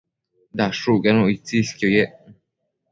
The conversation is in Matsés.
dashucquenu itsisquio ye